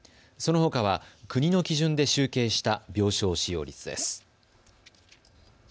そのほかは国の基準で集計した病床使用率です。